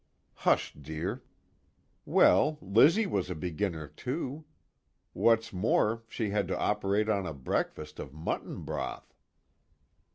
"Hush, dear." "Well, Lizzie was a beginner too. What's more she had to operate on a breakfast of mutton broth."